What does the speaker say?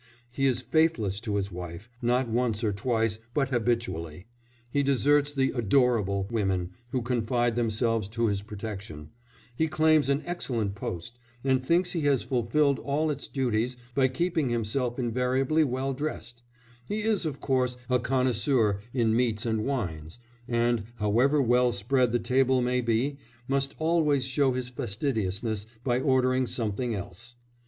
He is faithless to his wife, not once nor twice, but habitually; he deserts the "adorable" women who confide themselves to his protection; he claims an excellent post, and thinks he has fulfilled all its duties by keeping himself invariably well dressed; he is, of course, a connoisseur in meats and wines, and, however well spread the table may be, must always show his fastidiousness by ordering something else.